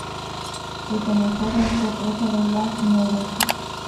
Desde muy joven fue presa de la neurosis.